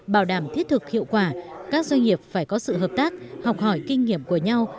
bảo đảm thiết thực hiệu quả các doanh nghiệp phải có sự hợp tác học hỏi kinh nghiệm của nhau